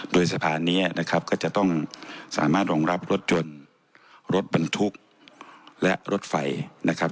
โดยสะพานนี้นะครับก็จะต้องสามารถรองรับรถยนต์รถบรรทุกและรถไฟนะครับ